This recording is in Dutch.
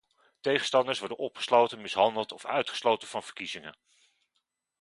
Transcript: Tegenstanders worden opgesloten, mishandeld of uitgesloten van verkiezingen.